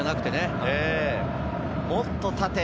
もっと縦へ！